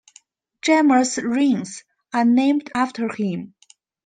Gemma's rings are named after him.